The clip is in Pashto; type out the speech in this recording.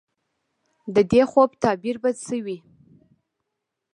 د دې خوب تعبیر به څه وي ؟